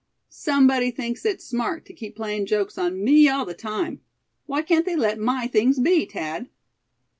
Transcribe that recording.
Somebody thinks it smart to keep playin' jokes on me all the time. Why can't they let my things be, Thad?"